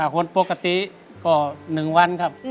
คนปกติก็๑วันครับ